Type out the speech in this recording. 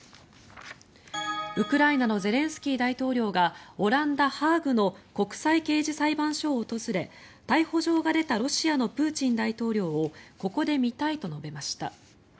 ウクライナのゼレンスキー大統領がオランダ・ハーグの国際刑事裁判所を訪れ逮捕状が出たロシアのプーチン大統領をここで見たいと述べました。